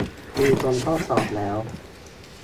มีคนโต้ตอบแล้ว